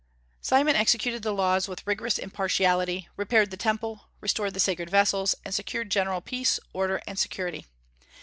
Simon executed the laws with rigorous impartiality, repaired the Temple, restored the sacred vessels, and secured general peace, order, and security.